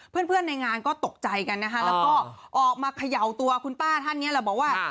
เพื่อนในงานก็ตกใจกันนะคะแล้วก็ออกมาเขย่าตัวคุณป้าท่านนี้แหละบอกว่า